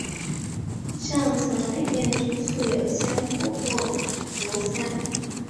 上层每面均塑有千佛或菩萨。